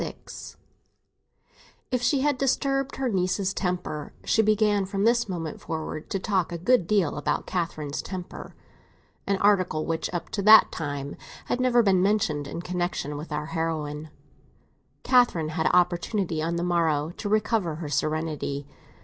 XXVI IF she had disturbed her niece's temper—she began from this moment forward to talk a good deal about Catherine's temper, an article which up to that time had never been mentioned in connexion with our heroine—Catherine had opportunity, on the morrow, to recover her serenity.